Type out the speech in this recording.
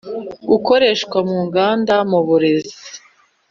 Gukoreshwa mu nganda mu burezi